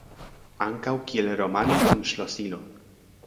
Ankaŭ kiel "romano kun ŝlosilo".